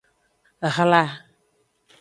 Hla.